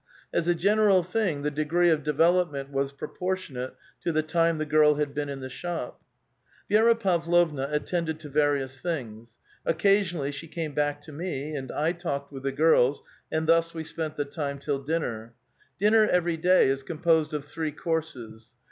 As a general thing the degree of development was proportionate to the time the girl had been in the shop. Vi6ra Pavlovna attended to various things ; occasionally she came back to me, and I talked with the girls, and thus wo spent the time till dinner. Dinner every day is composed of three courses.